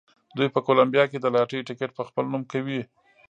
دوی په کولمبیا کې د لاټرۍ ټکټ په خپل نوم کوي.